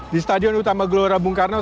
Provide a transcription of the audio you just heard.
di stadion utama gelora bung karno